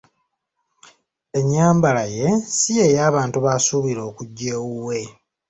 Ennyambala ye si ye y’abantu basuubira okujja ewuwe.